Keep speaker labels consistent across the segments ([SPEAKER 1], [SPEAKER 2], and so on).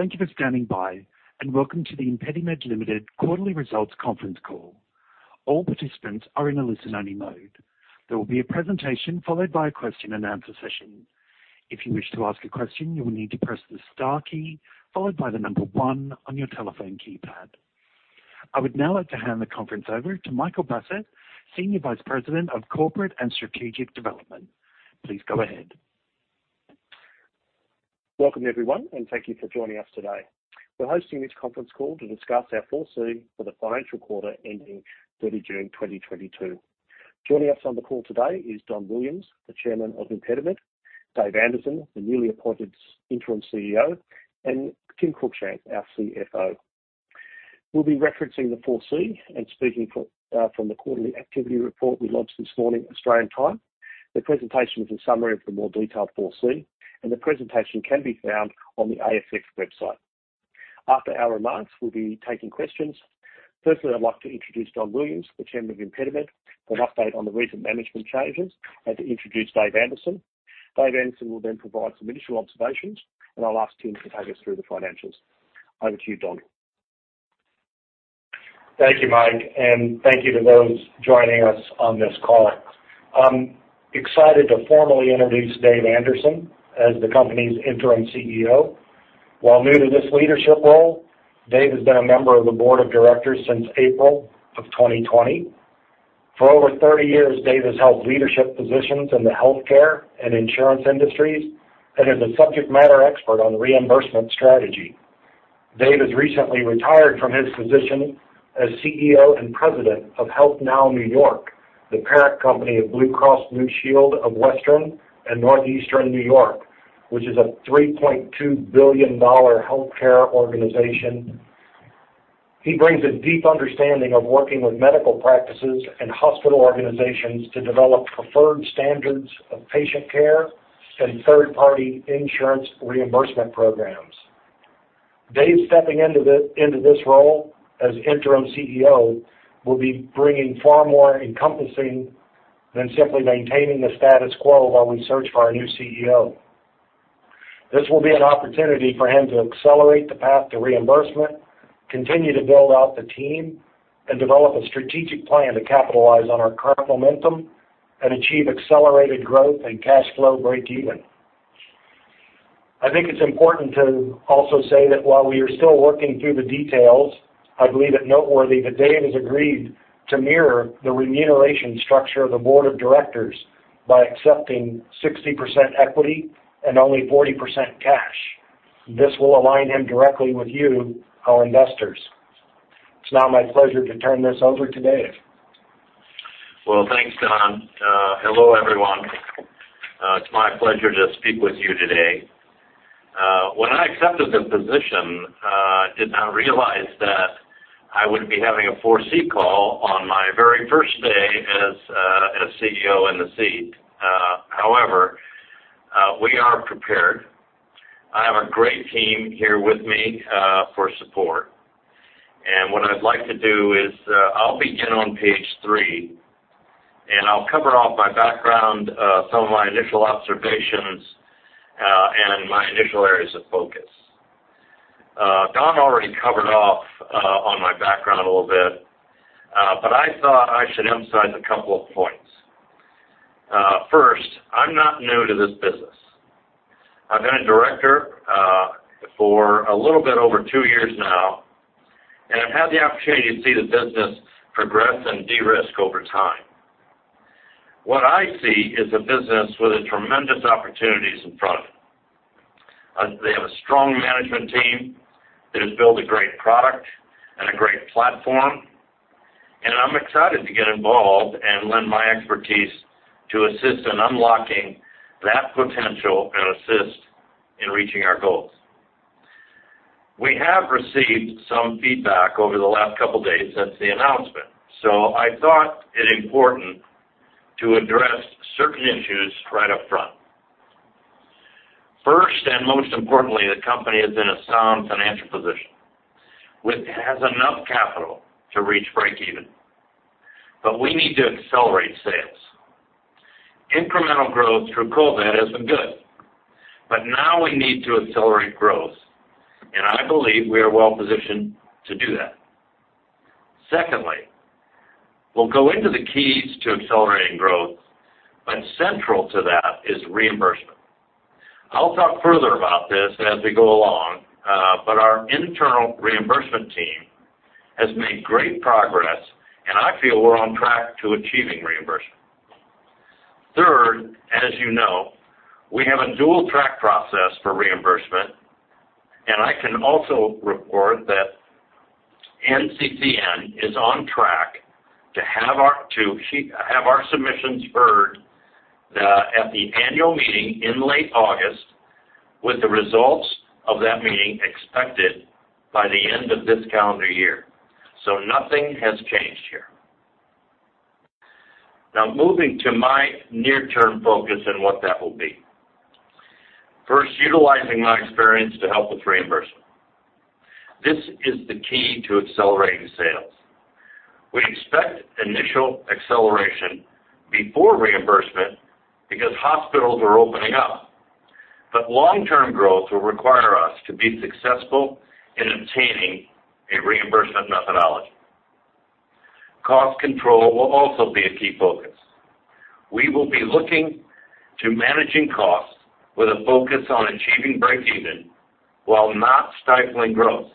[SPEAKER 1] Thank you for standing by, and welcome to the ImpediMed Limited quarterly results conference call. All participants are in a listen-only mode. There will be a presentation followed by a question-and-answer session. If you wish to ask a question, you will need to press the star key followed by the number one on your telephone keypad. I would now like to hand the conference over to Michael Bassett, Senior Vice President of Corporate and Strategic Development. Please go ahead.
[SPEAKER 2] Welcome, everyone, and thank you for joining us today. We're hosting this conference call to discuss our 4C for the financial quarter ending 30 June 2022. Joining us on the call today is Donald Williams, the chairman of ImpediMed, David Anderson, the newly appointed interim CEO, and Timothy Cruickshank, our CFO. We'll be referencing the 4C and speaking from the quarterly activity report we launched this morning, Australian time. The presentation is a summary of the more detailed 4C, and the presentation can be found on the ASX website. After our remarks, we'll be taking questions. Firstly, I'd like to introduce Donald Williams, the chairman of ImpediMed, for an update on the recent management changes and to introduce David Anderson. David Anderson will then provide some initial observations, and I'll ask Tim to take us through the financials. Over to you, Don.
[SPEAKER 3] Thank you, Mike, and thank you to those joining us on this call. I'm excited to formally introduce Dave Anderson as the company's interim CEO. While new to this leadership role, Dave has been a member of the board of directors since April 2020. For over 30 years, Dave has held leadership positions in the healthcare and insurance industries and is a subject matter expert on reimbursement strategy. Dave has recently retired from his position as CEO and president of HealthNow New York, the parent company of Highmark Blue Cross Blue Shield of Western New York and Highmark Blue Shield of Northeastern New York, which is a $3.2 billion healthcare organization. He brings a deep understanding of working with medical practices and hospital organizations to develop preferred standards of patient care and third-party insurance reimbursement programs. David stepping into this role as Interim CEO will be bringing far more encompassing than simply maintaining the status quo while we search for our new CEO. This will be an opportunity for him to accelerate the path to reimbursement, continue to build out the team, and develop a strategic plan to capitalize on our current momentum and achieve accelerated growth and cash flow breakeven. I think it's important to also say that while we are still working through the details, I believe it noteworthy that David has agreed to mirror the remuneration structure of the board of directors by accepting 60% equity and only 40% cash. This will align him directly with you, our investors. It's now my pleasure to turn this over to David.
[SPEAKER 4] Well, thanks, Don. Hello, everyone. It's my pleasure to speak with you today. When I accepted this position, did not realize that I would be having a 4C call on my very first day as CEO in the seat. However, we are prepared. I have a great team here with me, for support. What I'd like to do is, I'll begin on page three, and I'll cover off my background, some of my initial observations, and my initial areas of focus. Don already covered off, on my background a little bit, but I thought I should emphasize a couple of points. First, I'm not new to this business. I've been a director for a little bit over two years now, and I've had the opportunity to see the business progress and de-risk over time. What I see is a business with tremendous opportunities in front of it. They have a strong management team that has built a great product and a great platform, and I'm excited to get involved and lend my expertise to assist in unlocking that potential and assist in reaching our goals. We have received some feedback over the last couple of days since the announcement, so I thought it important to address certain issues right up front. First, and most importantly, the company is in a sound financial position. It has enough capital to reach breakeven, but we need to accelerate sales. Incremental growth through COVID has been good, but now we need to accelerate growth, and I believe we are well-positioned to do that. Secondly, we'll go into the keys to accelerating growth, but central to that is reimbursement. I'll talk further about this as we go along, but our internal reimbursement team has made great progress, and I feel we're on track to achieving reimbursement. Third, as you know, we have a dual-track process for reimbursement, and I can also report that NCCN is on track to have our submissions heard at the annual meeting in late August, with the results of that meeting expected by the end of this calendar year. Nothing has changed here. Now, moving to my near-term focus and what that will be. First, utilizing my experience to help with reimbursement. This is the key to accelerating sales. Expect initial acceleration before reimbursement because hospitals are opening up, but long-term growth will require us to be successful in obtaining a reimbursement methodology. Cost control will also be a key focus. We will be looking to managing costs with a focus on achieving breakeven while not stifling growth.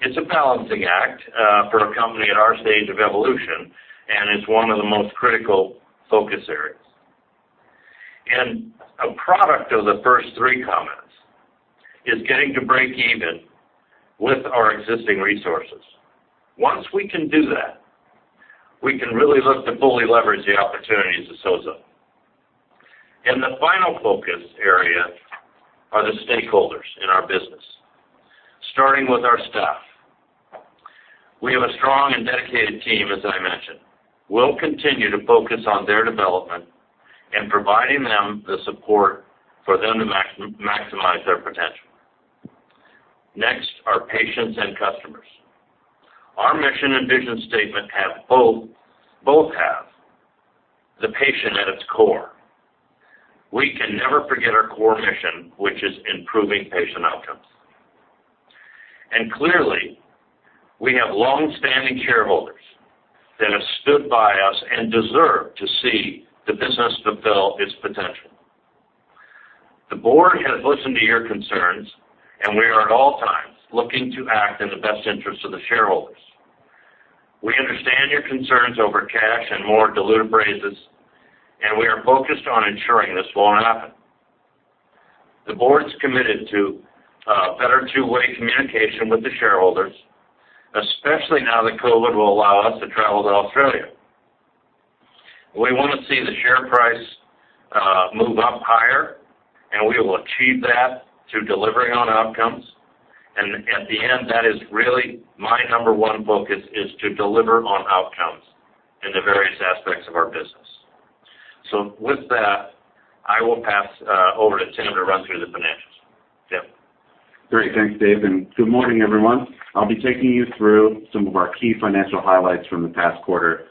[SPEAKER 4] It's a balancing act for a company at our stage of evolution, and it's one of the most critical focus areas. A product of the first three comments is getting to breakeven with our existing resources. Once we can do that, we can really look to fully leverage the opportunities of SOZO. The final focus area are the stakeholders in our business, starting with our staff. We have a strong and dedicated team, as I mentioned. We'll continue to focus on their development and providing them the support for them to maximize their potential. Next, our patients and customers. Our mission and vision statement both have the patient at its core. We can never forget our core mission, which is improving patient outcomes. Clearly, we have long-standing shareholders that have stood by us and deserve to see the business fulfill its potential. The board has listened to your concerns, and we are at all times looking to act in the best interest of the shareholders. We understand your concerns over cash and more diluted raises, and we are focused on ensuring this won't happen. The board's committed to better two-way communication with the shareholders, especially now that COVID will allow us to travel to Australia. We wanna see the share price move up higher, and we will achieve that through delivering on outcomes. At the end, that is really my number one focus is to deliver on outcomes in the various aspects of our business. With that, I will pass over to Tim to run through the financials. Tim?
[SPEAKER 5] Great. Thanks, Dave, and good morning, everyone. I'll be taking you through some of our key financial highlights from the past quarter,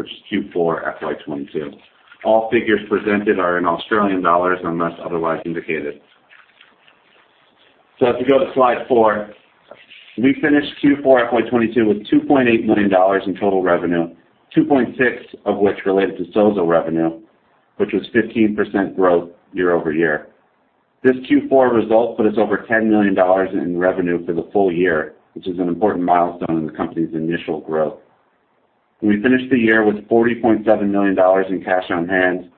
[SPEAKER 5] which is Q4 FY 2022. All figures presented are in AUD unless otherwise indicated. If you go to slide four, we finished Q4 FY 2022 with 2.8 million dollars in total revenue, 2.6 of which related to SOZO revenue, which was 15% growth year-over-year. This Q4 result put us over 10 million dollars in revenue for the full year, which is an important milestone in the company's initial growth. We finished the year with 40.7 million dollars in cash on hand,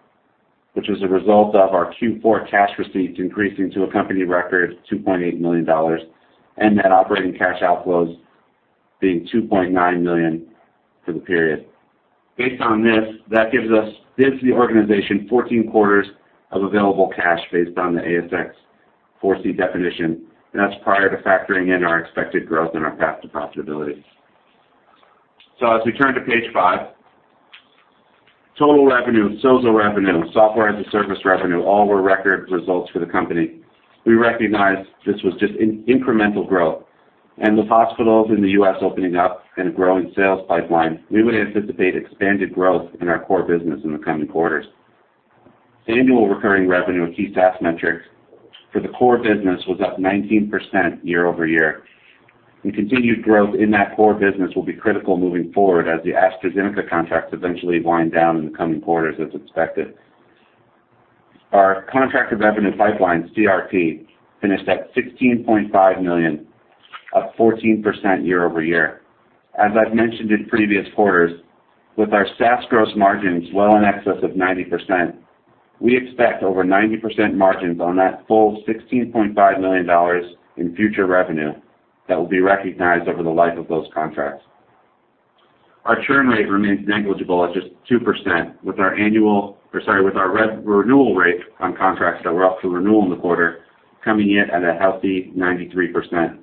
[SPEAKER 5] which was a result of our Q4 cash receipts increasing to a company record of 2.8 million dollars, and net operating cash outflows being 2.9 million for the period. Based on this, that gives the organization 14 quarters of available cash based on the ASX 4C definition, and that's prior to factoring in our expected growth and our path to profitability. As we turn to page five, total revenue, SOZO revenue, software as a service revenue, all were record results for the company. We recognized this was just incremental growth. With hospitals in the US opening up and a growing sales pipeline, we would anticipate expanded growth in our core business in the coming quarters. Annual recurring revenue, a key SaaS metric for the core business, was up 19% year-over-year. Continued growth in that core business will be critical moving forward as the AstraZeneca contracts eventually wind down in the coming quarters as expected. Our contracted revenue pipeline, CRP, finished at 16.5 million, up 14% year-over-year. As I've mentioned in previous quarters, with our SaaS gross margins well in excess of 90%, we expect over 90% margins on that full $16.5 million in future revenue that will be recognized over the life of those contracts. Our churn rate remains negligible at just 2% with our renewal rate on contracts that were up for renewal in the quarter coming in at a healthy 93%.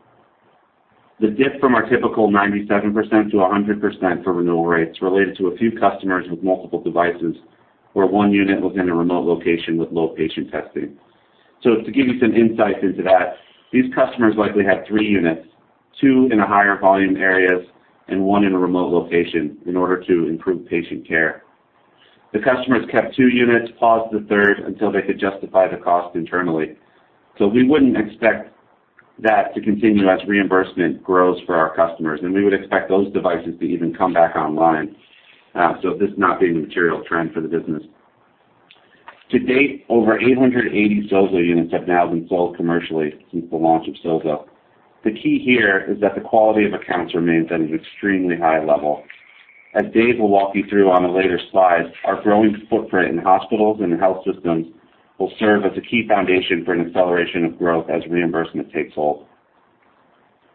[SPEAKER 5] The dip from our typical 97% to 100% for renewal rates related to a few customers with multiple devices where one unit was in a remote location with low patient testing. To give you some insight into that, these customers likely had three units, two in higher volume areas and one in a remote location in order to improve patient care. The customers kept two units, paused the third until they could justify the cost internally. We wouldn't expect that to continue as reimbursement grows for our customers, and we would expect those devices to even come back online, so this not being a material trend for the business. To date, over 880 SOZO units have now been sold commercially since the launch of SOZO. The key here is that the quality of accounts remains at an extremely high level. As Dave will walk you through on a later slide, our growing footprint in hospitals and health systems will serve as a key foundation for an acceleration of growth as reimbursement takes hold.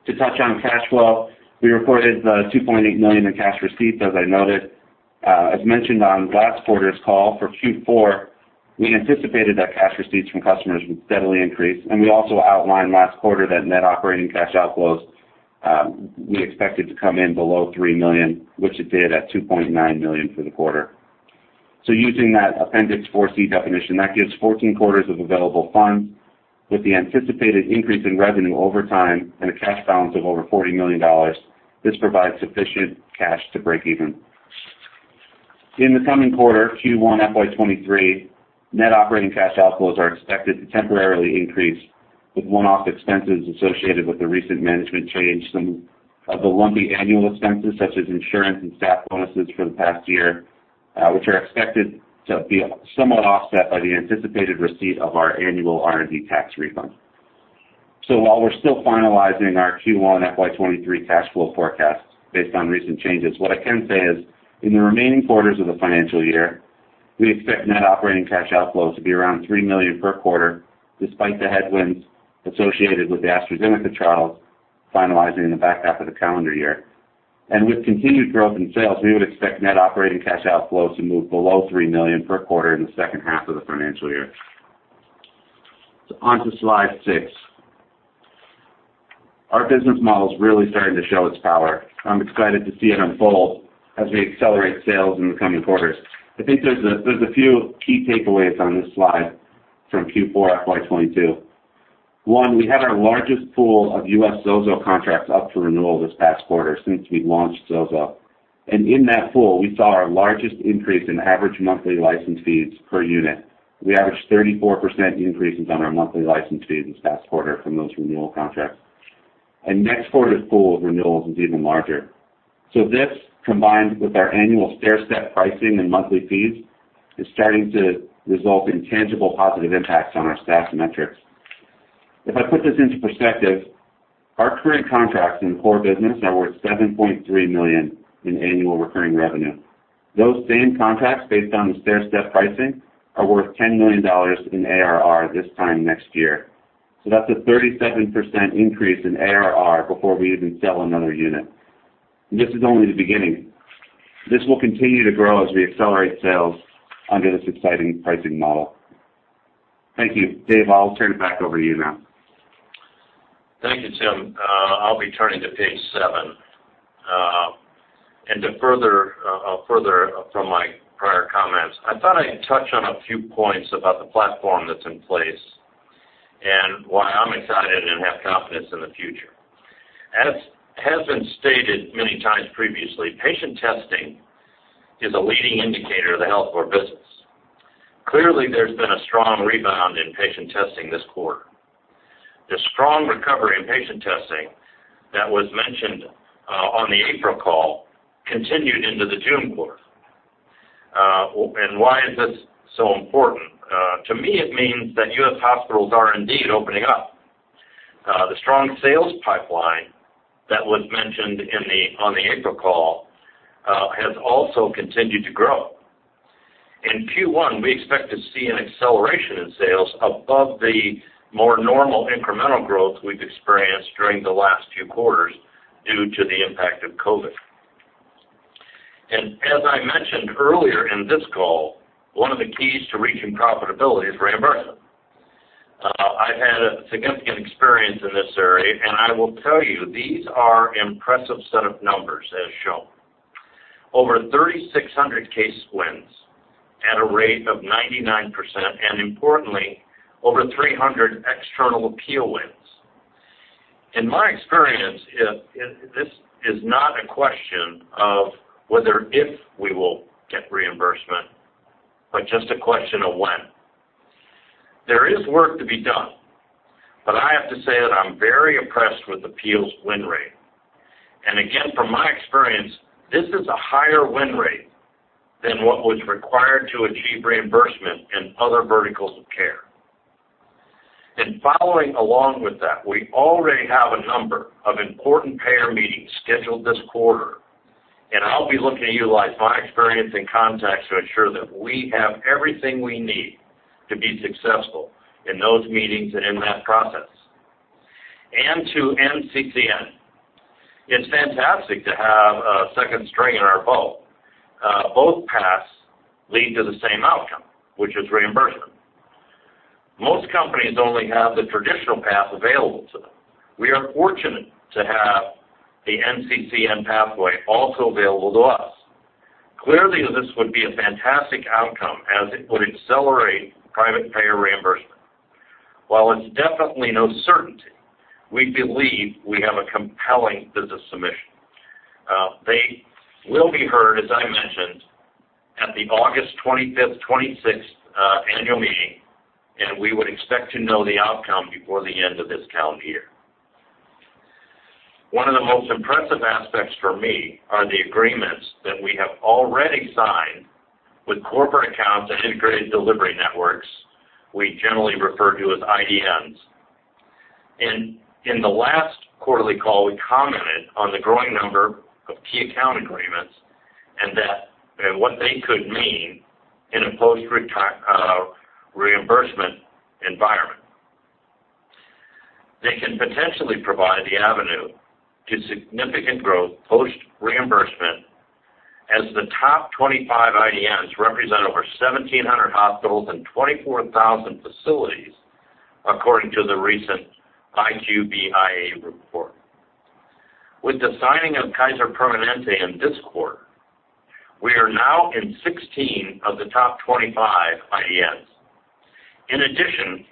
[SPEAKER 5] To touch on cash flow, we reported 2.8 million in cash receipts, as I noted. As mentioned on last quarter's call for Q4, we anticipated that cash receipts from customers would steadily increase, and we also outlined last quarter that net operating cash outflows, we expected to come in below 3 million, which it did at 2.9 million for the quarter. Using that Appendix 4C definition, that gives 14 quarters of available funds with the anticipated increase in revenue over time and a cash balance of over 40 million dollars. This provides sufficient cash to break even. In the coming quarter, Q1 FY 2023, net operating cash outflows are expected to temporarily increase with one-off expenses associated with the recent management change. Some of the lumpy annual expenses, such as insurance and staff bonuses for the past year, which are expected to be somewhat offset by the anticipated receipt of our annual R&D tax refund. While we're still finalizing our Q1 FY 2023 cash flow forecast based on recent changes, what I can say is, in the remaining quarters of the financial year, we expect net operating cash outflows to be around three million per quarter despite the headwinds associated with the AstraZeneca trials finalizing in the back half of the calendar year. With continued growth in sales, we would expect net operating cash outflows to move below three million per quarter in the second half of the financial year. On to slide six. Our business model is really starting to show its power. I'm excited to see it unfold as we accelerate sales in the coming quarters. I think there's a few key takeaways on this slide from Q4 FY 2022. One, we had our largest pool of U.S. SOZO contracts up for renewal this past quarter since we launched SOZO. In that pool, we saw our largest increase in average monthly license fees per unit. We averaged 34% increases on our monthly license fees this past quarter from those renewal contracts. Next quarter's pool of renewals is even larger. This, combined with our annual stairstep pricing and monthly fees, is starting to result in tangible positive impacts on our SaaS metrics. If I put this into perspective, our current contracts in the core business are worth $7.3 million in annual recurring revenue. Those same contracts based on the stairstep pricing are worth $10 million in ARR this time next year. That's a 37% increase in ARR before we even sell another unit. This is only the beginning. This will continue to grow as we accelerate sales under this exciting pricing model. Thank you. Dave, I'll turn it back over to you now.
[SPEAKER 4] Thank you, Tim. I'll be turning to page seven. To further from my prior comments, I thought I'd touch on a few points about the platform that's in place and why I'm excited and have confidence in the future. As has been stated many times previously, patient testing is a leading indicator of the health care business. Clearly, there's been a strong rebound in patient testing this quarter. The strong recovery in patient testing that was mentioned on the April call continued into the June quarter. Why is this so important? To me, it means that U.S. hospitals are indeed opening up. The strong sales pipeline that was mentioned on the April call has also continued to grow. In Q1, we expect to see an acceleration in sales above the more normal incremental growth we've experienced during the last few quarters due to the impact of COVID. As I mentioned earlier in this call, one of the keys to reaching profitability is reimbursement. I've had a significant experience in this area, and I will tell you, these are impressive set of numbers as shown. Over 3,600 case wins at a rate of 99%, and importantly, over 300 external appeal wins. In my experience, this is not a question of whether if we will get reimbursement, but just a question of when. There is work to be done, but I have to say that I'm very impressed with appeal's win rate. Again, from my experience, this is a higher win rate than what was required to achieve reimbursement in other verticals of care. Following along with that, we already have a number of important payer meetings scheduled this quarter, and I'll be looking to utilize my experience and contacts to ensure that we have everything we need to be successful in those meetings and in that process. To NCCN, it's fantastic to have a second string in our bow. Both paths lead to the same outcome, which is reimbursement. Most companies only have the traditional path available to them. We are fortunate to have the NCCN pathway also available to us. Clearly, this would be a fantastic outcome as it would accelerate private payer reimbursement. While it's definitely no certainty, we believe we have a compelling business submission. They will be heard, as I mentioned, at the August 25th, 26th annual meeting, and we would expect to know the outcome before the end of this calendar year. One of the most impressive aspects for me are the agreements that we have already signed with corporate accounts and integrated delivery networks we generally refer to as IDNs. In the last quarterly call, we commented on the growing number of key account agreements and what they could mean in a post-reimbursement environment. They can potentially provide the avenue to significant growth post-reimbursement as the top 25 IDNs represent over 1,700 hospitals and 24,000 facilities, according to the recent IQVIA report. With the signing of Kaiser Permanente in this quarter, we are now in 16 of the top 25 IDNs. In addition,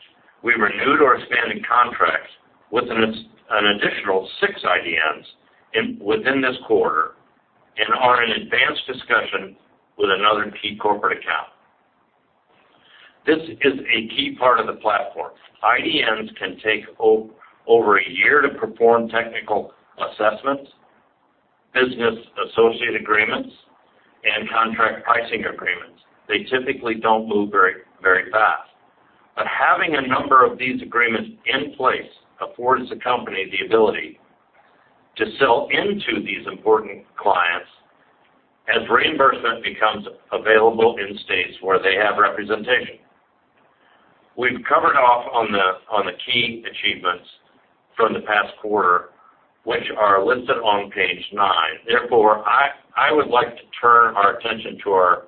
[SPEAKER 4] we renewed or expanded contracts with an additional six IDNs within this quarter and are in advanced discussion with another key corporate account. This is a key part of the platform. IDNs can take over a year to perform technical assessments, business associate agreements, and contract pricing agreements. They typically don't move very fast. Having a number of these agreements in place affords the company the ability to sell into these important clients as reimbursement becomes available in states where they have representation. We've covered off on the key achievements from the past quarter, which are listed on page nine. Therefore, I would like to turn our attention to our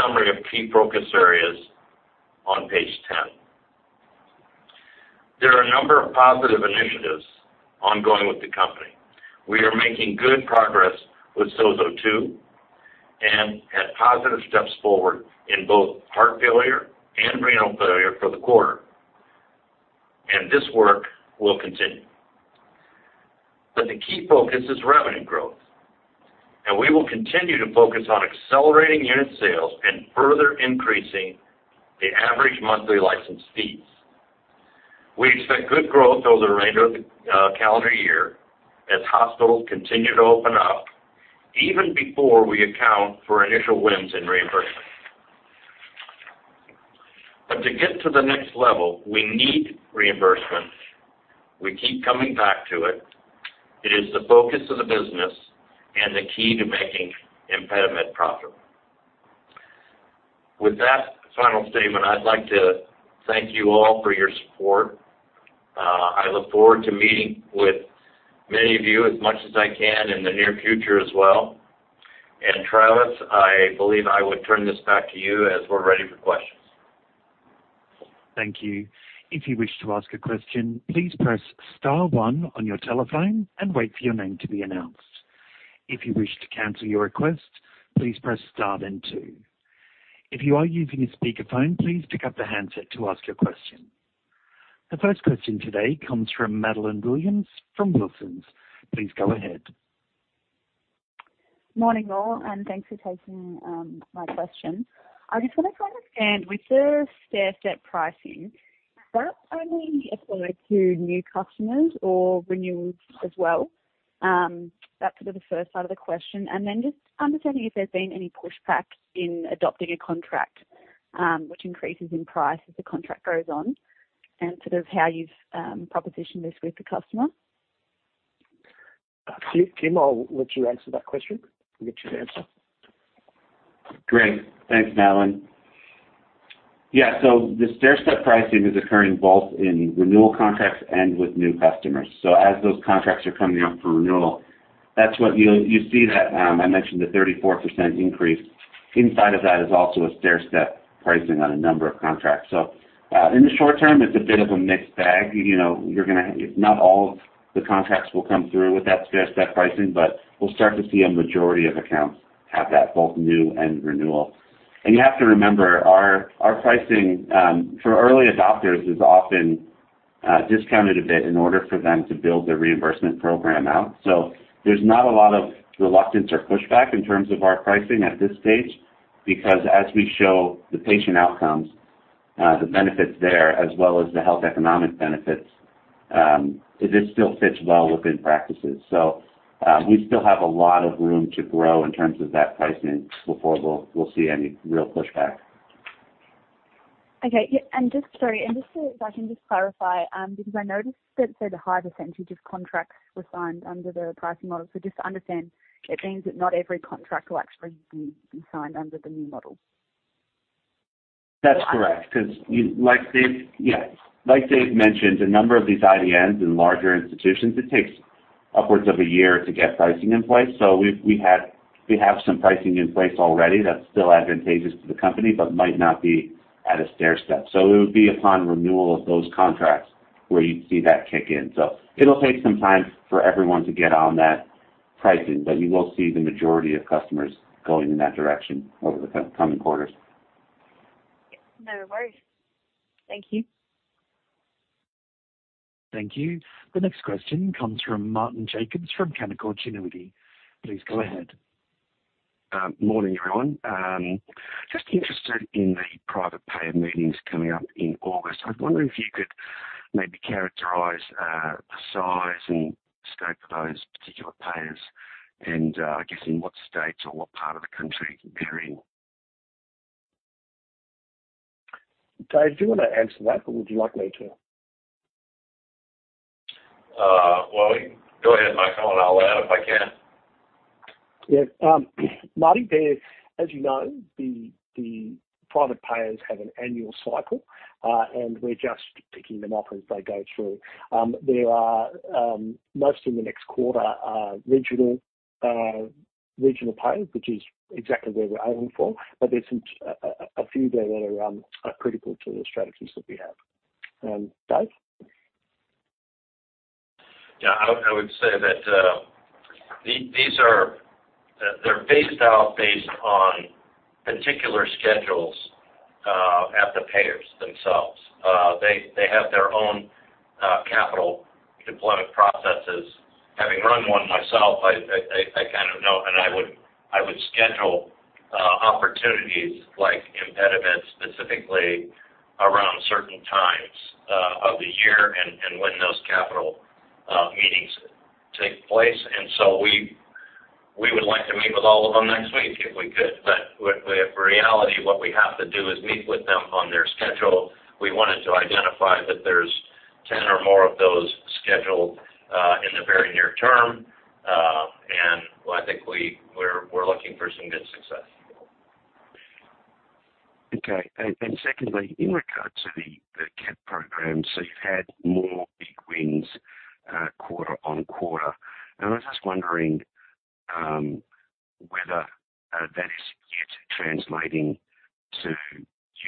[SPEAKER 4] summary of key focus areas on page 10. There are a number of positive initiatives ongoing with the company. We are making good progress with SOZO-2 and had positive steps forward in both heart failure and renal failure for the quarter, and this work will continue. The key focus is revenue growth, and we will continue to focus on accelerating unit sales and further increasing the average monthly license fees. We expect good growth over the remainder of the calendar year as hospitals continue to open up even before we account for initial wins in reimbursement. To get to the next level, we need reimbursement. We keep coming back to it. It is the focus of the business and the key to making ImpediMed profitable. With that final statement, I'd like to thank you all for your support. I look forward to meeting with many of you as much as I can in the near future as well. Travis, I believe I would turn this back to you as we're ready for questions.
[SPEAKER 1] Thank you. If you wish to ask a question, please press star one on your telephone and wait for your name to be announced. If you wish to cancel your request, please press star then two. If you are using a speakerphone, please pick up the handset to ask your question. The first question today comes from Madeline Williams from Wilsons. Please go ahead.
[SPEAKER 6] Morning, all. Thanks for taking my question. I just wanna try and understand with the stairstep pricing, does that only apply to new customers or renewals as well? That's sort of the first side of the question, and then just understanding if there's been any pushback in adopting a contract, which increases in price as the contract goes on, and sort of how you've propositioned this with the customer.
[SPEAKER 2] Kim, I'll let you answer that question. You can answer.
[SPEAKER 5] Great. Thanks, Madeline. Yeah. The stairstep pricing is occurring both in renewal contracts and with new customers. As those contracts are coming up for renewal, that's what you'll see that I mentioned the 34% increase. Inside of that is also a stairstep pricing on a number of contracts. In the short term, it's a bit of a mixed bag. Not all of the contracts will come through with that stairstep pricing, but we'll start to see a majority of accounts have that both new and renewal. You have to remember our pricing for early adopters is often discounted a bit in order for them to build their reimbursement program out. There's not a lot of reluctance or pushback in terms of our pricing at this stage because as we show the patient outcomes, the benefits there as well as the health economic benefits, it just still fits well within practices. We still have a lot of room to grow in terms of that pricing before we'll see any real pushback.
[SPEAKER 6] Okay. Yeah. Just so I can just clarify, because I noticed that say the high percentage of contracts were signed under the pricing model. Just to understand, it means that not every contract will actually be signed under the new model.
[SPEAKER 5] That's correct. 'Cause like Dave, yeah. Like Dave mentioned, the number of these IDNs in larger institutions, it takes upwards of a year to get pricing in place. We have some pricing in place already that's still advantageous to the company but might not be at a stairstep. It would be upon renewal of those contracts where you'd see that kick in. It'll take some time for everyone to get on that pricing, but you will see the majority of customers going in that direction over the coming quarters.
[SPEAKER 6] Yes. No worries. Thank you.
[SPEAKER 1] Thank you. The next question comes from Martyn Jacobs from Canaccord Genuity. Please go ahead.
[SPEAKER 7] Morning, everyone. Just interested in the private payer meetings coming up in August. I wonder if you could maybe characterize the size and scope of those particular payers and I guess in what states or what part of the country they're in?
[SPEAKER 2] Dave, do you wanna answer that or would you like me to?
[SPEAKER 4] Well, go ahead, Michael, and I'll add if I can.
[SPEAKER 2] Yeah. Marty, as you know, the private payers have an annual cycle, and we're just ticking them off as they go through. There are most in the next quarter, regional payers, which is exactly where we're aiming for. But there's a few there that are critical to the strategies that we have. Dave?
[SPEAKER 4] I would say that these are based on particular schedules at the payers themselves. They have their own capital deployment processes. Having run one myself, I kind of know, and I would schedule opportunities like ImpediMed events specifically around certain times of the year and when those capital meetings take place. We would like to meet with all of them next week if we could. In reality, what we have to do is meet with them on their schedule. We wanted to identify that there's 10 or more of those scheduled in the very near term. I think we're looking for some good success.
[SPEAKER 7] Okay. Secondly, in regard to the CAP Program, you've had more big wins quarter-over-quarter. I was just wondering whether that is yet translating to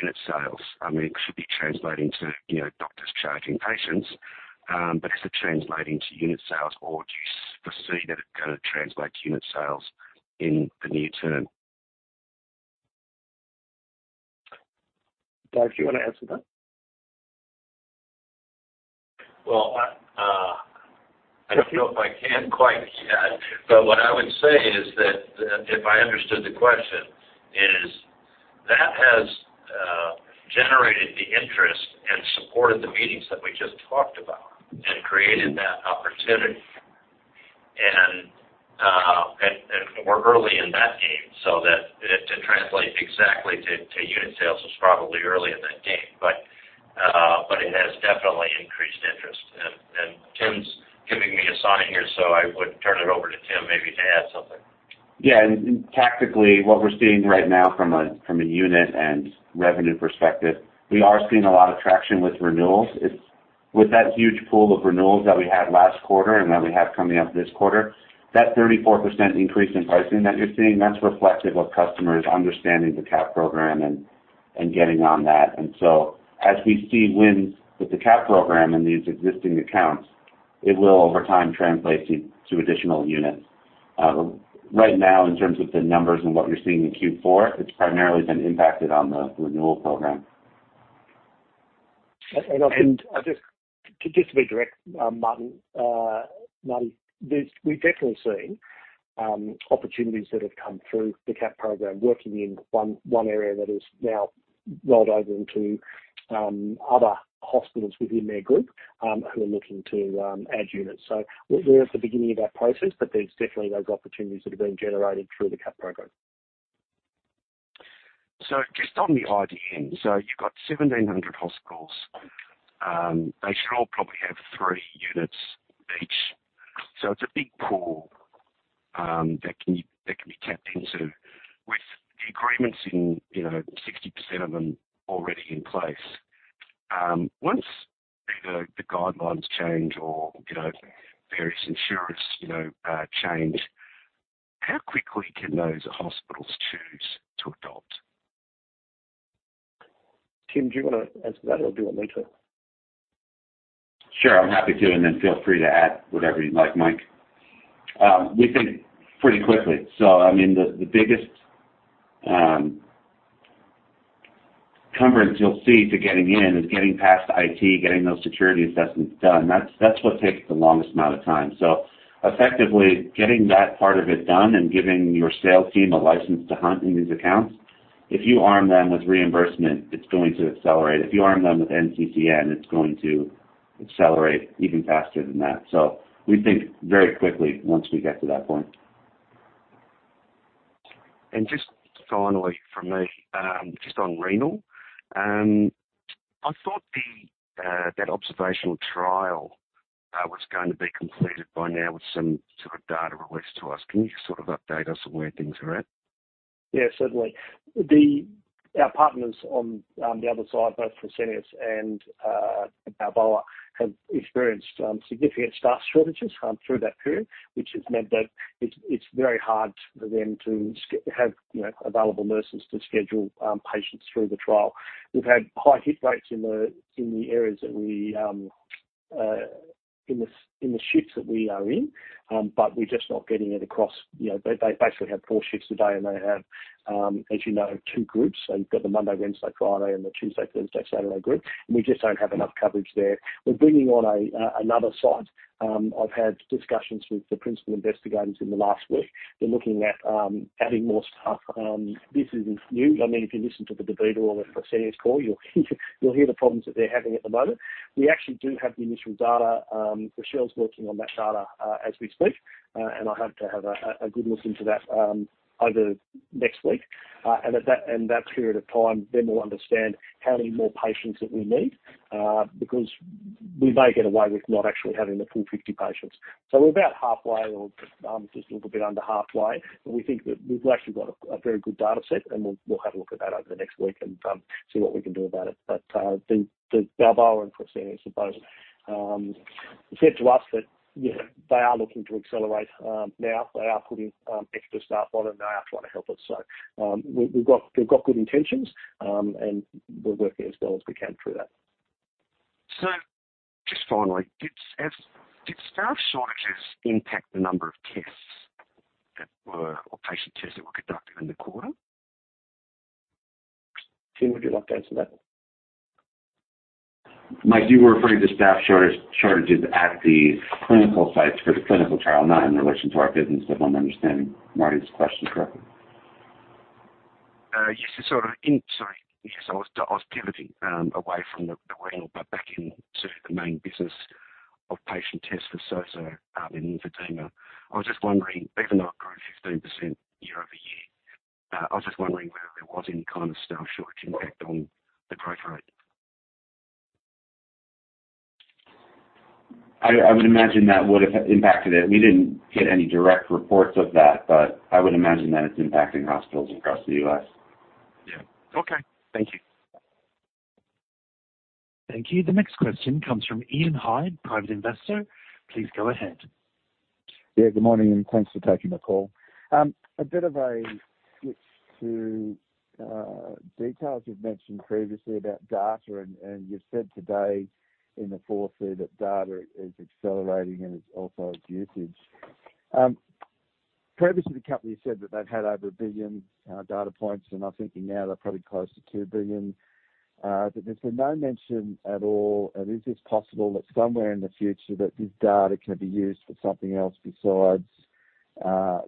[SPEAKER 7] unit sales. I mean, it should be translating to, you know, doctors charging patients, but is it translating to unit sales, or do you foresee that it's gonna translate to unit sales in the near term?
[SPEAKER 2] Dave, do you want to answer that?
[SPEAKER 4] Well, I don't know if I can quite yet. What I would say is that if I understood the question, it has generated the interest and supported the meetings that we just talked about and created that opportunity. We're early in that game, so to translate exactly to unit sales is probably early in that game. It has definitely increased interest. Tim's giving me a sign here, so I would turn it over to Tim maybe to add something.
[SPEAKER 5] Yeah. Tactically, what we're seeing right now from a unit and revenue perspective, we are seeing a lot of traction with renewals. With that huge pool of renewals that we had last quarter and that we have coming up this quarter, that 34% increase in pricing that you're seeing, that's reflective of customers understanding the CAP program and getting on that. As we see wins with the CAP program in these existing accounts, it will over time translate to additional units. Right now, in terms of the numbers and what you're seeing in Q4, it's primarily been impacted on the renewal program.
[SPEAKER 2] Just to be direct, Martin, this, we've definitely seen opportunities that have come through the CAP program working in one area that has now rolled over into other hospitals within their group who are looking to add units. We're at the beginning of that process, but there's definitely those opportunities that have been generated through the CAP program.
[SPEAKER 7] Just on the IDN, you've got 1,700 hospitals. They should all probably have three units each. It's a big pool that can be tapped into. With the agreements in, you know, 60% of them already in place, once the guidelines change or, you know, various insurance, you know, change, how quickly can those hospitals choose to adopt?
[SPEAKER 2] Tim, do you want to answer that or do you want me to?
[SPEAKER 5] Sure, I'm happy to. Then feel free to add whatever you'd like, Mike. We think pretty quickly. I mean, the biggest encumbrance you'll see to getting in is getting past IT, getting those security assessments done. That's what takes the longest amount of time. Effectively, getting that part of it done and giving your sales team a license to hunt in these accounts. If you arm them with reimbursement, it's going to accelerate. If you arm them with NCCN, it's going to accelerate even faster than that. We think very quickly once we get to that point.
[SPEAKER 7] Just finally from me, just on renal, I thought the that observational trial was going to be completed by now with some sort of data released to us. Can you sort of update us on where things are at?
[SPEAKER 2] Yeah, certainly. Our partners on the other side, both Fresenius and Balboa, have experienced significant staff shortages through that period, which has meant that it's very hard for them to have, you know, available nurses to schedule patients through the trial. We've had high hit rates in the shifts that we are in. We're just not getting it across. You know, they basically have four shifts a day, and they have, as you know, two groups. You've got the Monday, Wednesday, Friday, and the Tuesday, Thursday, Saturday group. We just don't have enough coverage there. We're bringing on another site. I've had discussions with the principal investigators in the last week. They're looking at adding more staff. This isn't new. I mean, if you listen to the DaVita or the Fresenius call, you'll hear the problems that they're having at the moment. We actually do have the initial data. Rochelle's working on that data as we speak. I hope to have a good listen to that over next week. In that period of time, we'll understand how many more patients that we need because we may get away with not actually having the full 50 patients. We're about halfway or just a little bit under halfway, but we think that we've actually got a very good data set, and we'll have a look at that over the next week and see what we can do about it. The Balboa and Fresenius, I suppose, they've said to us that, you know, they are looking to accelerate now. They are putting extra staff on, and they are trying to help us. We've got good intentions, and we're working as well as we can through that.
[SPEAKER 7] Just finally, did staff shortages impact the number of tests that were or patient tests that were conducted in the quarter?
[SPEAKER 2] Tim, would you like to answer that one?
[SPEAKER 5] Michael, you were referring to staff shortages at the clinical sites for the clinical trial, not in relation to our business, if I'm understanding Martin's question correctly.
[SPEAKER 7] Yes, I was pivoting away from the renal, but back into the main business of patient tests for SOZO in lymphedema. I was just wondering, even though it grew 15% year-over-year, I was just wondering whether there was any kind of staff shortage impact on the growth rate.
[SPEAKER 5] I would imagine that would have impacted it. We didn't get any direct reports of that, but I would imagine that it's impacting hospitals across the U.S.
[SPEAKER 7] Yeah. Okay. Thank you.
[SPEAKER 1] Thank you. The next question comes from Ian Hyde, private investor. Please go ahead.
[SPEAKER 8] Yeah, good morning, and thanks for taking the call. A bit of a switch to details you've mentioned previously about data, and you've said today in the foreword that data is accelerating and it's also its usage. Previously the company said that they've had over 1 billion data points, and I'm thinking now they're probably close to two billion. There's been no mention at all and is this possible that somewhere in the future that this data can be used for something else besides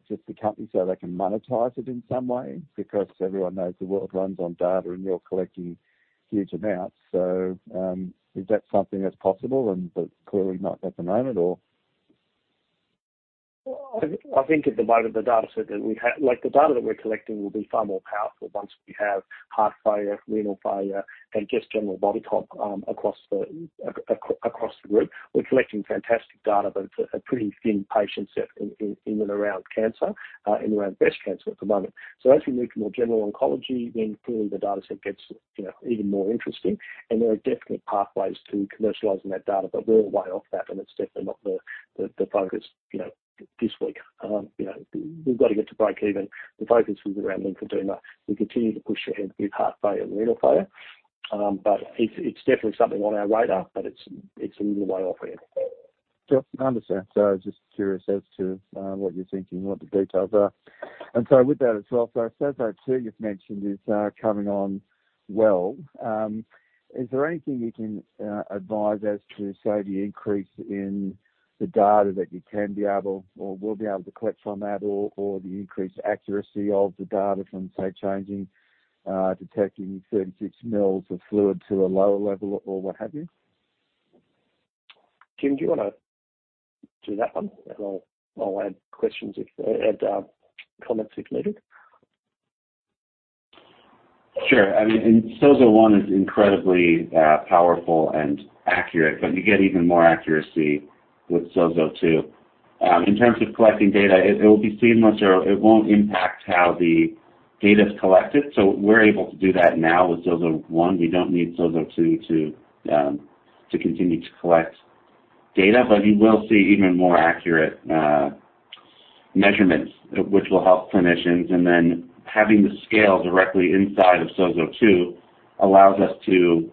[SPEAKER 8] just the company so they can monetize it in some way? Because everyone knows the world runs on data, and you're collecting huge amounts. Is that something that's possible and but clearly not at the moment or?
[SPEAKER 2] Well, I think at the moment, the data set that we have. Like, the data that we're collecting will be far more powerful once we have heart failure, renal failure, and just general body comp across the group. We're collecting fantastic data, but it's a pretty thin patient set in and around cancer, in and around breast cancer at the moment. As we move to more general oncology, then clearly the data set gets, you know, even more interesting. There are definite pathways to commercializing that data, but we're a way off that, and it's definitely not the focus, you know, this week. You know, we've got to get to break even. The focus is around lymphedema. We continue to push ahead with heart failure and renal failure. It's definitely something on our radar, but it's a little way off yet.
[SPEAKER 8] Sure. Understand. I was just curious as to what you're thinking, what the details are. With that as well, SOZO 2 you've mentioned is coming on well. Is there anything you can advise as to, say, the increase in the data that you can be able or will be able to collect from that or the increased accuracy of the data from, say, changing detecting 36 mL of fluid to a lower level or what have you?
[SPEAKER 2] Tim, do you wanna do that one? I'll add comments if needed.
[SPEAKER 5] Sure. I mean, SOZO 1 is incredibly powerful and accurate, but you get even more accuracy with SOZO 2. In terms of collecting data, it will be seamless or it won't impact how the data is collected. We're able to do that now with SOZO 1. We don't need SOZO 2 to continue to collect data. You will see even more accurate measurements which will help clinicians. Having the scale directly inside of SOZO 2 allows us to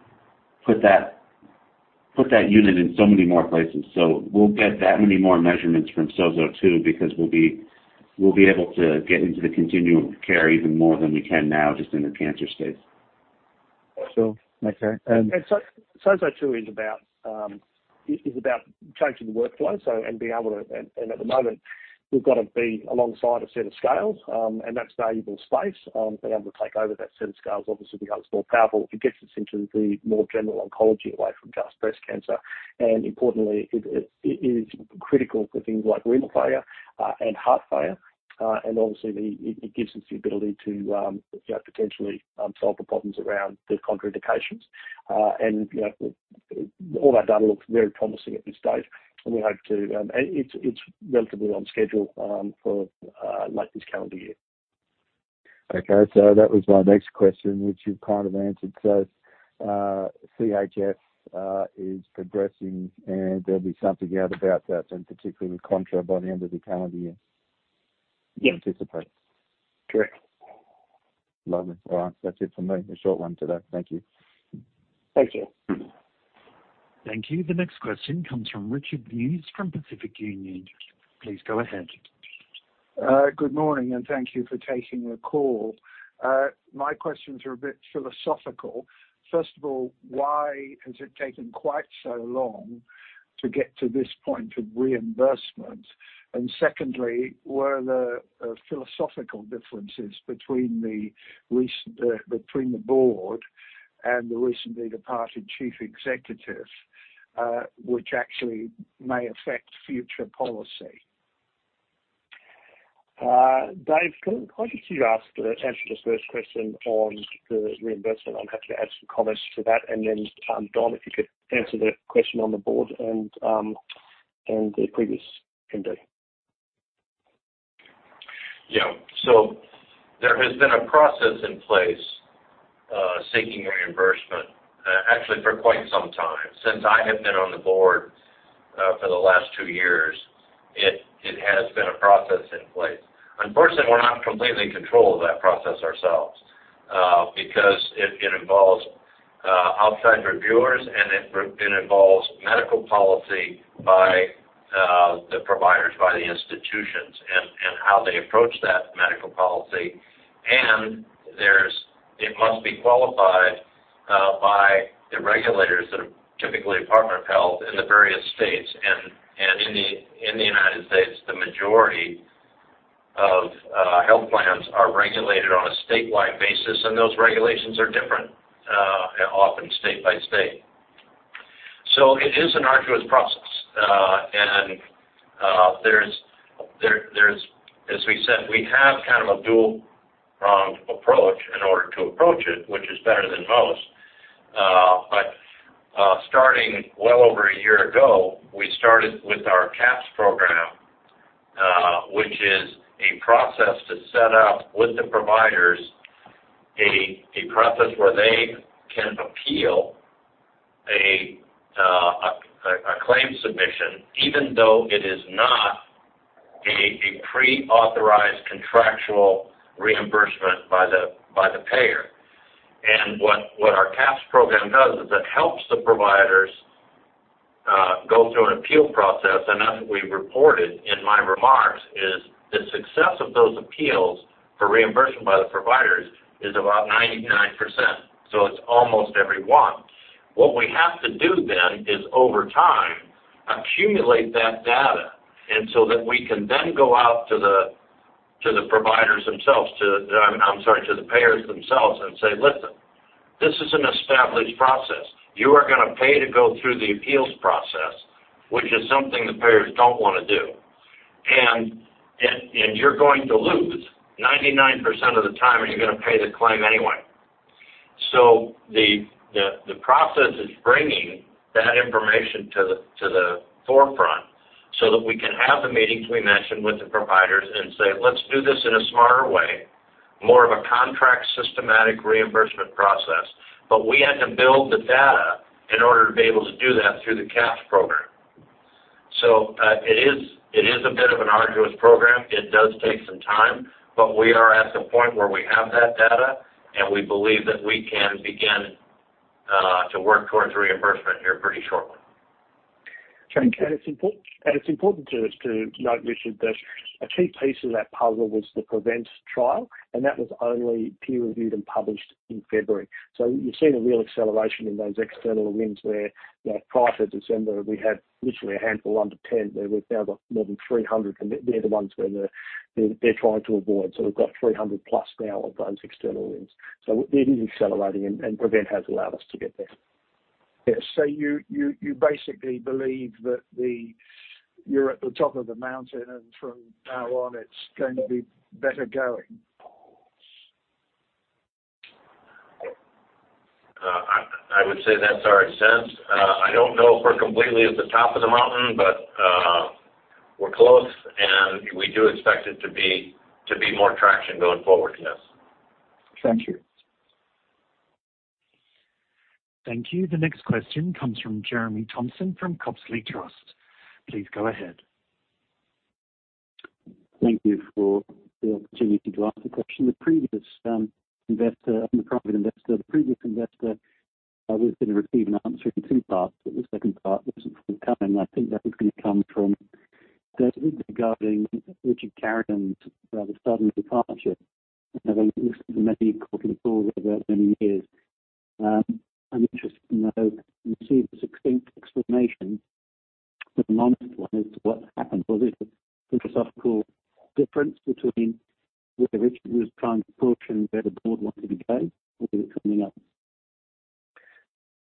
[SPEAKER 5] put that unit in so many more places. We'll get that many more measurements from SOZO 2 because we'll be able to get into the continuum of care even more than we can now just in the cancer space.
[SPEAKER 8] Sure. Okay.
[SPEAKER 2] SOZO 2 is about changing the workflow and being able to. At the moment we've got to be alongside a set of scales, and that's valuable space. Being able to take over that set of scales obviously becomes more powerful. It gets us into the more general oncology away from just breast cancer. Importantly it is critical for things like renal failure and heart failure. Obviously the it gives us the ability to you know, potentially, solve the problems around the contraindications. You know, all our data looks very promising at this stage, and we hope to. It's relatively on schedule for late this calendar year.
[SPEAKER 8] Okay. That was my next question, which you've kind of answered. CHF is progressing and there'll be something out about that, and particularly with contract by the end of the calendar year.
[SPEAKER 2] Yeah.
[SPEAKER 8] you anticipate?
[SPEAKER 2] Correct.
[SPEAKER 8] Lovely. All right. That's it from me. A short one today. Thank you.
[SPEAKER 2] Thank you.
[SPEAKER 1] Thank you. The next question comes from Richard Bewes from Pacific Union. Please go ahead.
[SPEAKER 9] Good morning, and thank you for taking the call. My questions are a bit philosophical. First of all, why has it taken quite so long to get to this point of reimbursement? Secondly, were there philosophical differences between the board and the recently departed chief executive, which actually may affect future policy?
[SPEAKER 2] Dave, can I just answer the first question on the reimbursement? I'm happy to add some comments to that. Don, if you could answer the question on the board and the previous MD.
[SPEAKER 4] Yeah. There has been a process in place seeking reimbursement, actually for quite some time. Since I have been on the board for the last two years, it has been a process in place. Unfortunately, we're not completely in control of that process ourselves, because it involves outside reviewers, and it involves medical policy by the providers, by the institutions and how they approach that medical policy. It must be qualified by the regulators that are typically Department of Health in the various states. In the United States, the majority of health plans are regulated on a statewide basis, and those regulations are different, often state by state. It is an arduous process. As we said, we have kind of a dual pronged approach in order to approach it, which is better than most. Starting well over a year ago, we started with our CAP program, which is a process to set up with the providers a process where they can appeal a claim submission, even though it is not a pre-authorized contractual reimbursement by the payer. What our CAP program does is it helps the providers go through an appeal process. As we reported in my remarks, the success of those appeals for reimbursement by the providers is about 99%, so it's almost every one. What we have to do then is, over time, accumulate that data and so that we can then go out to the providers themselves, to the providers. I'm sorry, to the payers themselves and say, "Listen, this is an established process. You are gonna pay to go through the appeals process," which is something the payers don't wanna do. "And you're going to lose. 99% of the time, you're gonna pay the claim anyway." The process is bringing that information to the forefront so that we can have the meetings we mentioned with the providers and say, "Let's do this in a smarter way, more of a contract systematic reimbursement process." We had to build the data in order to be able to do that through the CAP program. It is a bit of an arduous program. It does take some time, but we are at the point where we have that data, and we believe that we can begin to work towards reimbursement here pretty shortly.
[SPEAKER 10] Thank you.
[SPEAKER 2] It's important to us to note, Richard, that a key piece of that puzzle was the PREVENT trial, and that was only peer-reviewed and published in February. You're seeing a real acceleration in those external wins where, you know, prior to December, we had literally a handful, 1-10, where we've now got more than 300, and they're the ones where they're trying to avoid. We've got 300+ now of those external wins. It is accelerating, and PREVENT has allowed us to get there.
[SPEAKER 10] Yeah. You basically believe that. You're at the top of the mountain, and from now on, it's going to be better going.
[SPEAKER 4] I would say that's our sense. I don't know if we're completely at the top of the mountain, but we're close, and we do expect it to be more traction going forward, yes.
[SPEAKER 9] Thank you.
[SPEAKER 1] Thank you. The next question comes from Jeremy Thompson from Copsley Trust. Please go ahead.
[SPEAKER 11] Thank you for the opportunity to ask the question. The previous private investor was gonna receive an answer in two parts, but the second part wasn't forthcoming. I think that was gonna come from David regarding Richard Carreon's the sudden departure. I've never listened to many quarterly calls over many years. I'm interested to know, receive a succinct explanation, but an honest one as to what happened. Was it a philosophical difference between where Richard was trying to push and where the board wanted to go? Or was it something else?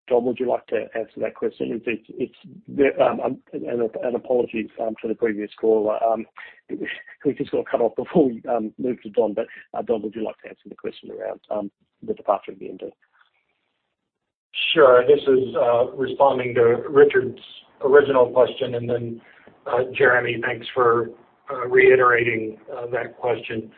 [SPEAKER 2] Don, would you like to answer that question? It's there. Apologies to the previous caller. We just got cut off before we moved to Don. Don, would you like to answer the question around the departure of the MD?
[SPEAKER 3] Sure. This is responding to Richard's original question, and then, Jeremy, thanks for reiterating that question.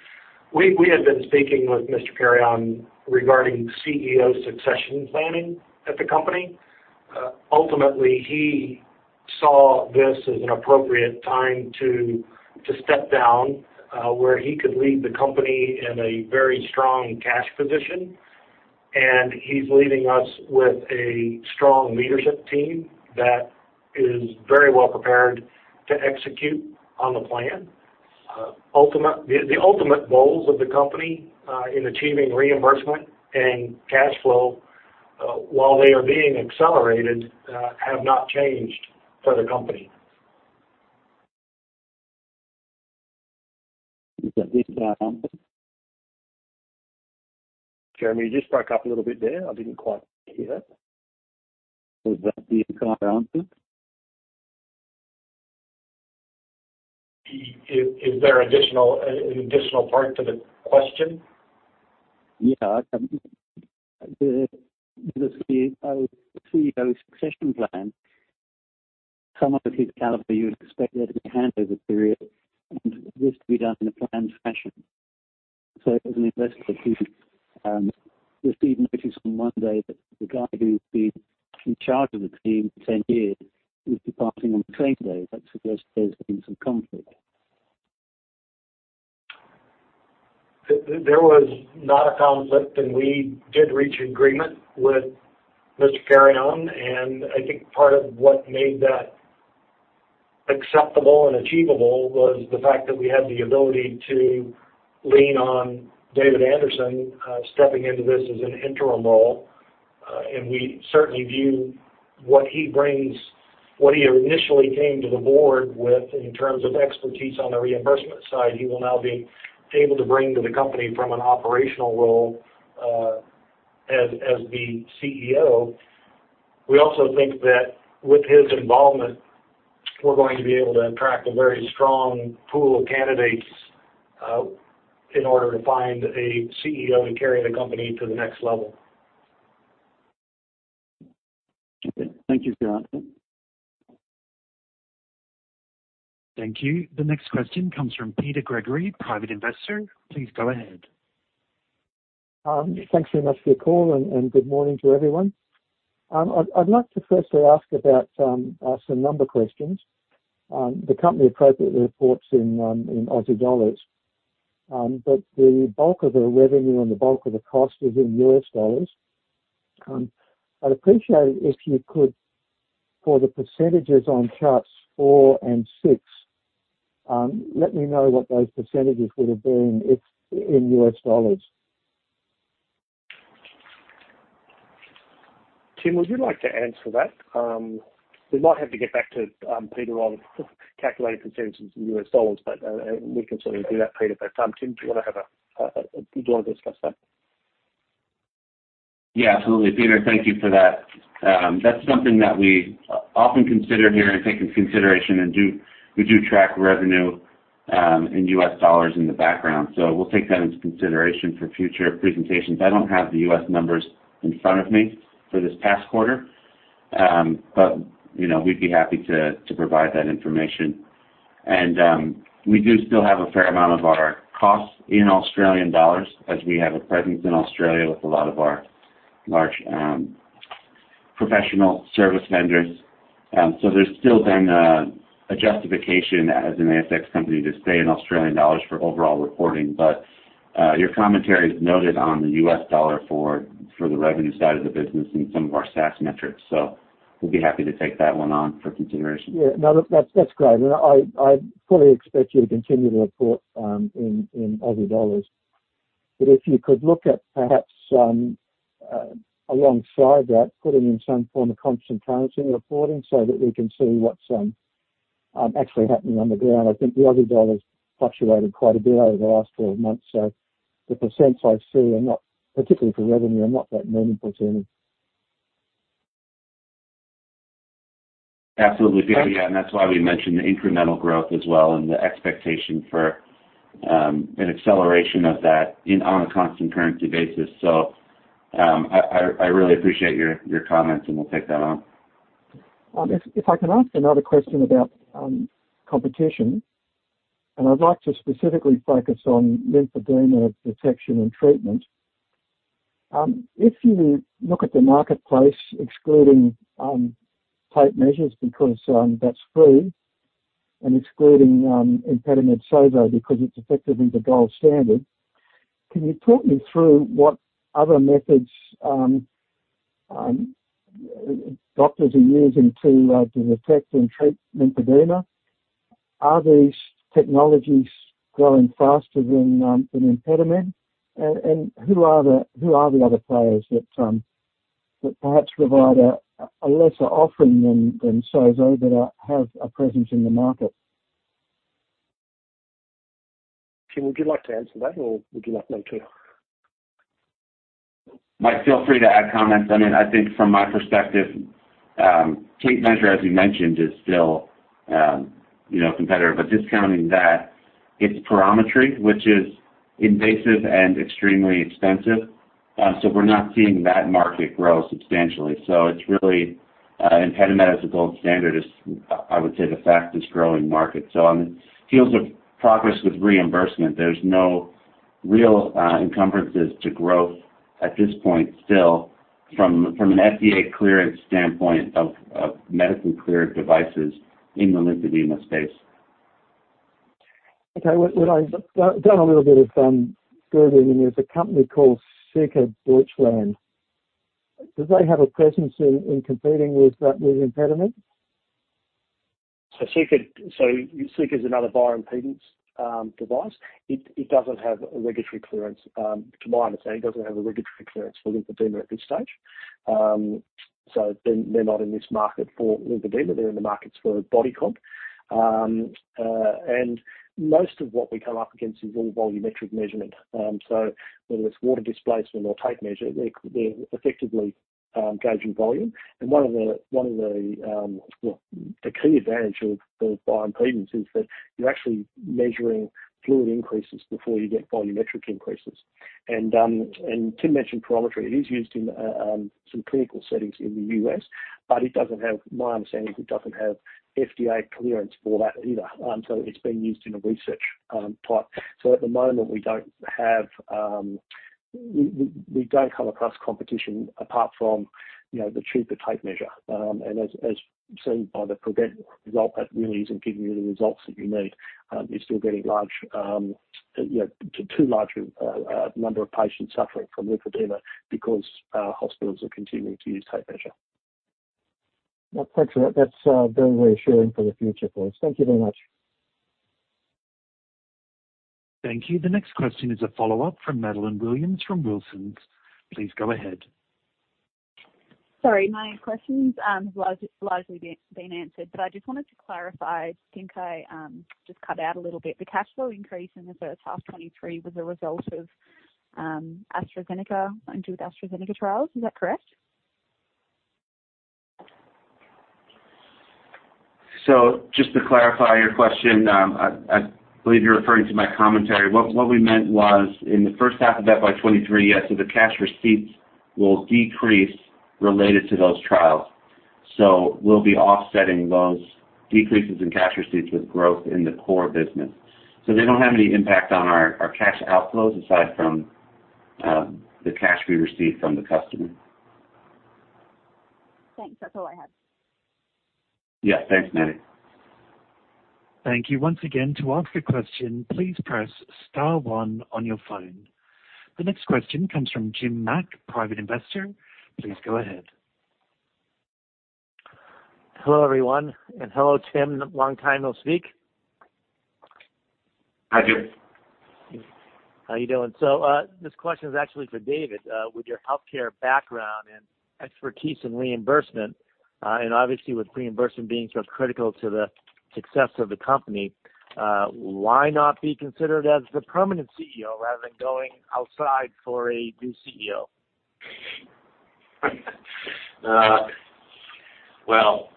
[SPEAKER 3] We had been speaking with Mr. Carreon regarding CEO succession planning at the company. Ultimately, he saw this as an appropriate time to step down, where he could leave the company in a very strong cash position. He's leaving us with a strong leadership team that is very well prepared to execute on the plan. The ultimate goals of the company in achieving reimbursement and cash flow, while they are being accelerated, have not changed for the company.
[SPEAKER 11] Is that the entire answer?
[SPEAKER 2] Jeremy, you just broke up a little bit there. I didn't quite hear that.
[SPEAKER 11] Was that the entire answer?
[SPEAKER 3] Is there an additional part to the question?
[SPEAKER 11] The CEO succession plan. Someone of his caliber, you would expect there to be a handover period and this to be done in a planned fashion. As an investor, to receive notice on Monday that the guy who's been in charge of the team for 10 years is departing on the same day, that suggests there's been some conflict.
[SPEAKER 3] There was not a conflict, and we did reach agreement with Mr. Carreon. I think part of what made that acceptable and achievable was the fact that we had the ability to lean on David Anderson stepping into this as an interim role. We certainly view what he brings, what he initially came to the board with in terms of expertise on the reimbursement side, he will now be able to bring to the company from an operational role as the CEO. We also think that with his involvement, we're going to be able to attract a very strong pool of candidates in order to find a CEO and carry the company to the next level.
[SPEAKER 11] Okay. Thank you, Scott.
[SPEAKER 1] Thank you. The next question comes from Peter Gregory, private investor. Please go ahead.
[SPEAKER 12] Thanks very much for your call and good morning to everyone. I'd like to firstly ask about some number questions. The company appropriately reports in Aussie dollars, but the bulk of the revenue and the bulk of the cost is in US dollars. I'd appreciate it if you could, for the percentages on charts four and six, let me know what those percentages would have been if in US dollars.
[SPEAKER 3] Tim, would you like to answer that? We might have to get back to Peter on calculating percentages in US dollars, but we can certainly do that, Peter. Tim, do you wanna discuss that?
[SPEAKER 5] Yeah, absolutely. Peter, thank you for that. That's something that we often consider here and take into consideration, and we do track revenue in US dollars in the background. We'll take that into consideration for future presentations. I don't have the US numbers in front of me for this past quarter. But, you know, we'd be happy to provide that information. We do still have a fair amount of our costs in Australian dollars as we have a presence in Australia with a lot of our large professional service vendors. There's still been a justification as an ASX company to stay in Australian dollars for overall reporting. Your commentary is noted on the US dollar for the revenue side of the business and some of our SaaS metrics. We'll be happy to take that one on for consideration.
[SPEAKER 12] Yeah. No, that's great. I fully expect you to continue to report in Aussie dollars. If you could look at perhaps alongside that, putting in some form of constant currency reporting so that we can see what's actually happening on the ground. I think the Aussie dollar's fluctuated quite a bit over the last 12 months. The percents I see are not particularly for revenue that meaningful to me.
[SPEAKER 5] Absolutely, Peter.
[SPEAKER 12] Thanks.
[SPEAKER 5] Yeah. That's why we mentioned the incremental growth as well and the expectation for an acceleration of that in, on a constant currency basis. I really appreciate your comments, and we'll take that on.
[SPEAKER 12] If I can ask another question about competition, and I'd like to specifically focus on lymphedema detection and treatment. If you look at the marketplace excluding tape measures because that's free and excluding ImpediMed SOZO because it's effectively the gold standard, can you talk me through what other methods doctors are using to detect and treat lymphedema? Are these technologies growing faster than ImpediMed? And who are the other players that perhaps provide a lesser offering than SOZO that have a presence in the market?
[SPEAKER 3] Tim, would you like to answer that or would you like me to?
[SPEAKER 5] Mike, feel free to add comments. I mean, I think from my perspective, tape measure, as you mentioned, is still, you know, competitive. Discounting that, it's perometry, which is invasive and extremely expensive. We're not seeing that market grow substantially. It's really, ImpediMed as a gold standard is, I would say the fastest growing market. On the heels of progress with reimbursement, there's no real, encumbrances to growth at this point still from an FDA clearance standpoint of medically cleared devices in the lymphedema space.
[SPEAKER 12] Okay. What I've done a little bit of Googling, and there's a company called seca Deutschland. Do they have a presence in competing with ImpediMed?
[SPEAKER 3] Seca is another bioimpedance device. It doesn't have a regulatory clearance, to my understanding, for lymphedema at this stage. They're not in this market for lymphedema. They're in the markets for body comp. Most of what we come up against is all volumetric measurement. Whether it's water displacement or tape measure, they're effectively gauging volume. One of the, well, the key advantage of bioimpedance is that you're actually measuring fluid increases before you get volumetric increases. Tim mentioned perometry. It is used in some clinical settings in the U.S., but it doesn't have, my understanding is it doesn't have FDA clearance for that either. It's being used in a research type. At the moment, we don't have.
[SPEAKER 2] We don't come across competition apart from, you know, the cheaper tape measure. As seen by the PREVENT result, that really isn't giving you the results that you need. You're still getting large, you know, too large a number of patients suffering from lymphedema because hospitals are continuing to use tape measure.
[SPEAKER 12] Well, thanks for that. That's very reassuring for the future, boys. Thank you very much.
[SPEAKER 1] Thank you. The next question is a follow-up from Madeleine Williams from Wilsons. Please go ahead.
[SPEAKER 6] Sorry, my questions has largely been answered, but I just wanted to clarify. I think I just cut out a little bit. The cash flow increase in the first half 2023 was a result of AstraZeneca and with AstraZeneca trials. Is that correct?
[SPEAKER 5] Just to clarify your question, I believe you're referring to my commentary. What we meant was in the first half of 2023, yes, the cash receipts will decrease related to those trials. We'll be offsetting those decreases in cash receipts with growth in the core business. They don't have any impact on our cash outflows aside from the cash we received from the customer.
[SPEAKER 6] Thanks. That's all I have.
[SPEAKER 5] Yeah. Thanks, Maddie.
[SPEAKER 1] Thank you once again. To ask a question, please press star one on your phone. The next question comes from Jim Mack, private investor. Please go ahead.
[SPEAKER 13] Hello, everyone, and hello, Tim. Long time no speak.
[SPEAKER 5] Hi, Jim.
[SPEAKER 13] How you doing? This question is actually for David. With your healthcare background and expertise in reimbursement, and obviously with reimbursement being so critical to the success of the company, why not be considered as the permanent CEO rather than going outside for a new CEO?
[SPEAKER 4] Well,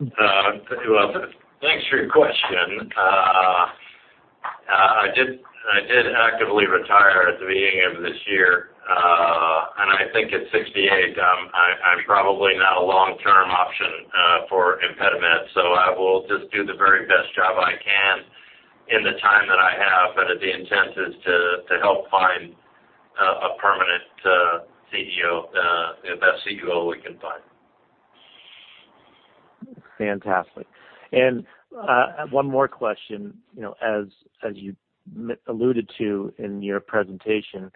[SPEAKER 4] thanks for your question. I did actively retire at the beginning of this year. I think at 68, I'm probably not a long-term option for ImpediMed, so I will just do the very best job I can in the time that I have. The intent is to help find a permanent CEO, the best CEO we can find.
[SPEAKER 13] Fantastic. One more question. You know, as you alluded to in your presentation,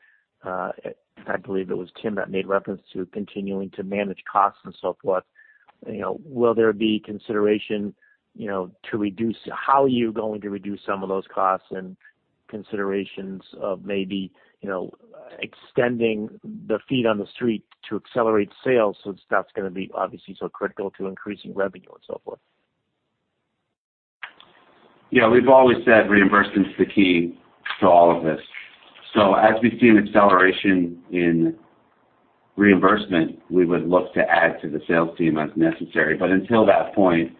[SPEAKER 13] I believe it was Tim that made reference to continuing to manage costs and so forth. You know, will there be consideration, you know, How are you going to reduce some of those costs and considerations of maybe, you know, extending the feet on the street to accelerate sales, so that's gonna be obviously so critical to increasing revenue and so forth?
[SPEAKER 5] Yeah. We've always said reimbursement is the key to all of this. As we see an acceleration in reimbursement, we would look to add to the sales team as necessary. Until that point,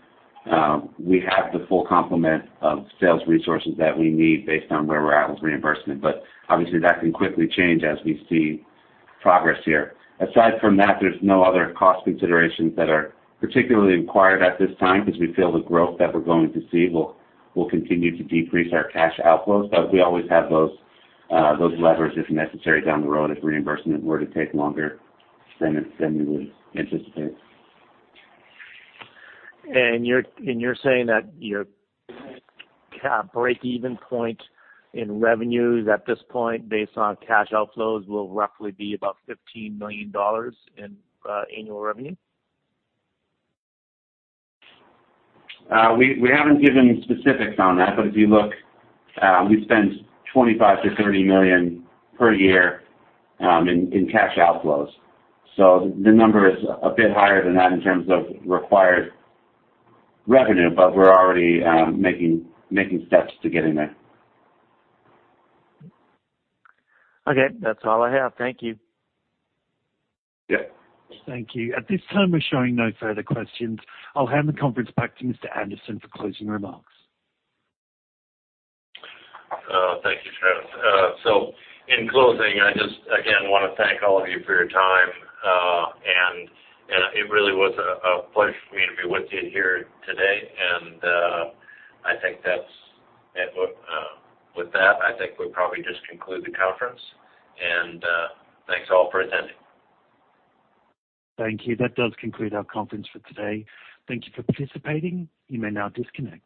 [SPEAKER 5] we have the full complement of sales resources that we need based on where we're at with reimbursement. Obviously that can quickly change as we see progress here. Aside from that, there's no other cost considerations that are particularly incurred at this time because we feel the growth that we're going to see will continue to decrease our cash outflows. We always have those levers if necessary down the road, if reimbursement were to take longer than we would anticipate.
[SPEAKER 13] You're saying that your breakeven point in revenues at this point based on cash outflows will roughly be about $15 million in annual revenue?
[SPEAKER 5] We haven't given specifics on that, but if you look, we spend 25million to 30 million per year in cash outflows. The number is a bit higher than that in terms of required revenue, but we're already making steps to getting there.
[SPEAKER 13] Okay. That's all I have. Thank you.
[SPEAKER 5] Yeah.
[SPEAKER 1] Thank you. At this time, we're showing no further questions. I'll hand the conference back to Mr. Anderson for closing remarks.
[SPEAKER 4] Thank you, Travis. In closing, I just again wanna thank all of you for your time. It really was a pleasure for me to be with you here today. I think that's it. With that, I think we'll probably just conclude the conference. Thanks all for attending.
[SPEAKER 1] Thank you. That does conclude our conference for today. Thank you for participating. You may now disconnect.